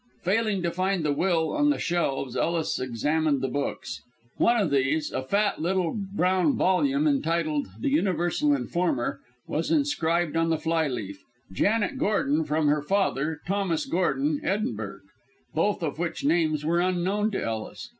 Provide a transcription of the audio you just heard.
Failing to find the will on the shelves, Ellis examined the books. One of these, a fat little brown volume, entitled, The Universal Informer, was inscribed on the flyleaf, "Janet Gordon, from her father, Thomas Gordon, Edinburgh," both of which names were unknown to Ellis.